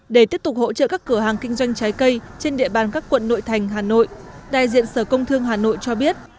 để tiếp tục hỗ trợ các cửa hàng kinh doanh trái cây trên địa bàn các quận nội thành hà nội đại diện sở công thương hà nội cho biết